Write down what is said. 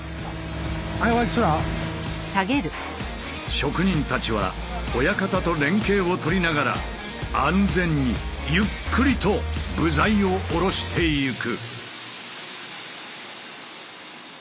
職人たちは親方と連携を取りながら安全にゆっくりと部材を下ろしていく。